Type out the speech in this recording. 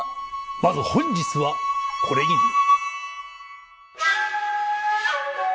まず本日はこれぎり。